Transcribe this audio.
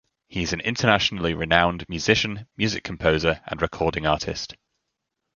He is an internationally renowned musician, music composer, and recording artist.